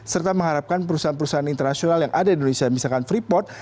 serta mengharapkan perusahaan perusahaan internasional yang ada di indonesia misalkan freeport